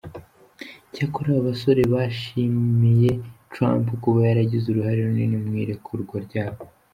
Icyakora aba basore bashimiye Trump kuba yaragize uruhare runini mu irekurwa ryabo.